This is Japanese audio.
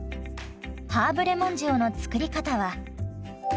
ハーブレモン塩の作り方は？